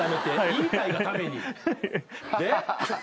言いたいがために。